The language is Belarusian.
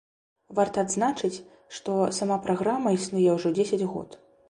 Варта адзначыць, што сама праграма існуе ўжо дзесяць год.